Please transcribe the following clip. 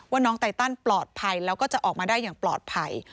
น้องไตตันปลอดภัยแล้วก็จะออกมาได้อย่างปลอดภัย